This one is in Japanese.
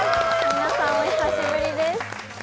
皆さん、お久しぶりです。